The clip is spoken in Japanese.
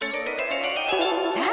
さあ